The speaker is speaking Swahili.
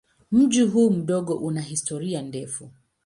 Mji huu mdogo una historia ndefu.